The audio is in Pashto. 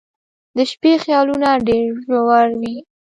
• د شپې خیالونه ډېر ژور وي.